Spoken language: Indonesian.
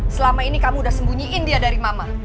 selama ini kamu udah sembunyiin dia dari mama